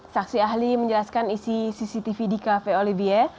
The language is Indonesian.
saksi ahli menjelaskan isi cctv di cafe olivier